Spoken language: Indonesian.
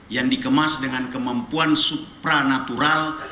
yang dikemas dengan kemampuan supranatural